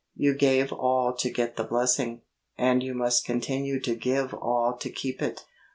You gave all to get the blessing, and you must continue to give all to keep it.